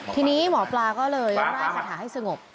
ทีนี้หมอปลาก็เลยไล่คาถาให้สงบ